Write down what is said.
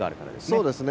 そうですね。